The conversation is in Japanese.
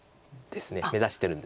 目指してるんです。